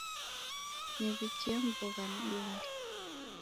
Niw'ikie mbogha nidungie.